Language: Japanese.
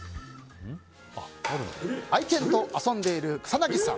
愛犬と遊んでいる草なぎさん。